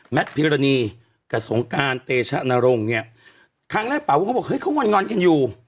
พิรณีกับสงการเตชะนรงค์เนี่ยครั้งแรกเป๋าวงเขาบอกเฮ้เขางอนงอนกันอยู่